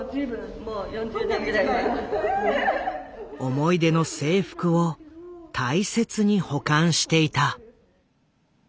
思い出の制服を大切に保管していた。